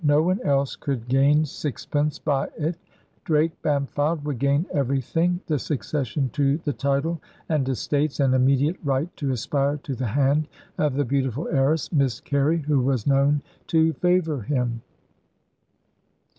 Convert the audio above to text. No one else could gain sixpence by it; Drake Bampfylde would gain everything the succession to the title and estates, and the immediate right to aspire to the hand of the beautiful heiress, Miss Carey, who was known to favour him.